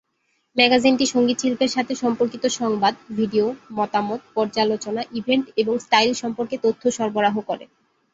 ম্যাগাজিনটি সংগীত শিল্পের সাথে সম্পর্কিত সংবাদ, ভিডিও, মতামত, পর্যালোচনা, ইভেন্ট এবং স্টাইল সম্পর্কে তথ্য সরবরাহ করে।